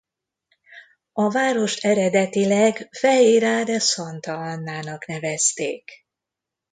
A várost eredetileg Feira de Santa Annának nevezték.